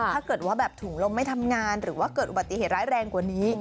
ถ้าเกิดว่าแบบถุงลมไม่ทำงานหรือว่าเกิดอุบัติเหตุร้ายแรงกว่านี้